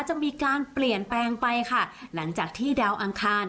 จะมีการเปลี่ยนแปลงไปค่ะหลังจากที่ดาวอังคาร